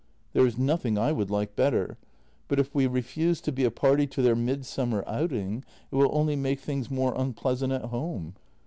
" There is nothing I vmuld like better, but if w ? e refuse to be a party to their midsummer outing it will only make tilings more unpleasant at home."